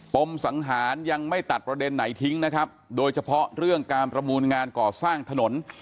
มสังหารยังไม่ตัดประเด็นไหนทิ้งนะครับโดยเฉพาะเรื่องการประมูลงานก่อสร้างถนน